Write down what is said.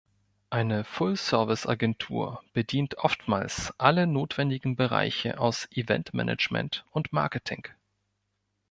Eine Full-Service-Agentur bedient oftmals alle notwendigen Bereiche aus Eventmanagement und Marketing.